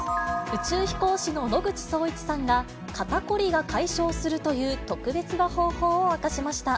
宇宙飛行士の野口聡一さんが、肩凝りが解消するという特別な方法を明かしました。